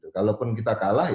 kalaupun kita kalah